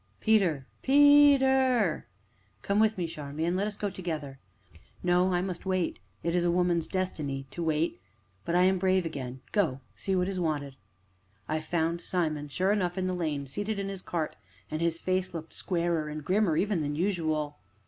"Peter! Pe ter!" "Come with me, Charmian; let us go together." "No, I must wait it is woman's destiny to wait but I am brave again; go see what is wanted." I found Simon, sure enough, in the lane, seated in his cart, and his face looked squarer and grimmer even than usual.